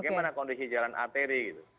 bagaimana kondisi jalan arteri gitu